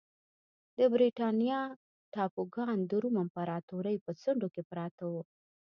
د برېټانیا ټاپوګان د روم امپراتورۍ په څنډو کې پراته وو